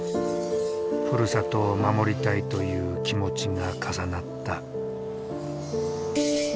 ふるさとを守りたいという気持ちが重なった。